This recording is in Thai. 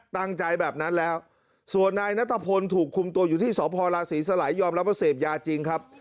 ตั้งใจแบบนั้นแล้วส่วนนายนัทพลถูกคุมตัวอยู่ที่สพลาศรีสลายยอมรับว่าเสพยาจริงครับ